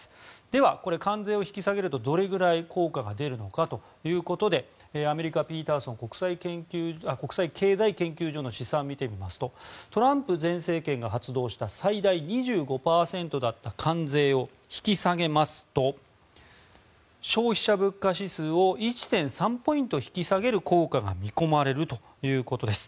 では、関税を引き下げるとどれぐらい効果が出るのかということでアメリカピーターソン国際経済研究所の試算を見てみますとトランプ前政権が発動した最大２５％だった関税を引き下げますと消費者物価指数を１．３ポイント引き下げる効果が見込まれるということです。